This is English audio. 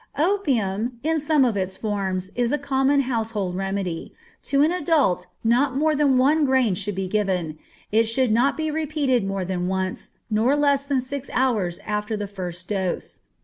Opium, in some of its forms, is a common household remedy. To an adult, not more than one grain should be given; it should not be repeated more than once, nor less than six hours after the first dose.